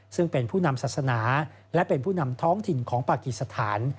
ซึ่งเป็นผู้นำศาสนาและเป็นผู้นำท้องถิ่นของปากีสถาน